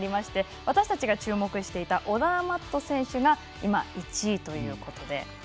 私たちが注目していたオダーマット選手が今１位ということで。